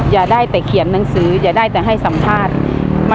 อย่าได้แต่เขียนหนังสืออย่าได้แต่ให้สัมภาษณ์